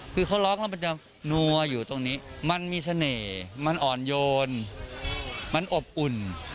คือเขาร้องแล้วมันจะนัวอยู่ตรงนี้มันมีเสน่ห์มันอ่อนโยนมันอบอุ่น